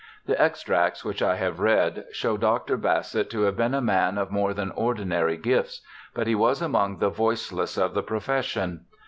The extracts which I have read show Dr. Bassett to have been a man of more than ordinary gifts, but he was among the voiceless of the profession.